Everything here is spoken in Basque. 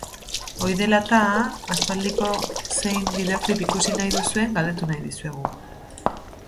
Hori dela eta, aspaldiko zein bideoklip ikusi nahi duzuen galdetu nahi dizuegu.